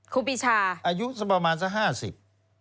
ครูปีชาอายุประมาณสัก๕๐